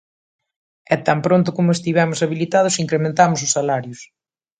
E tan pronto como estivemos habilitados, incrementamos os salarios.